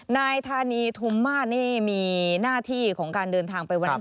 นายธานีธุมมาตรนี่มีหน้าที่ของการเดินทางไปวันนี้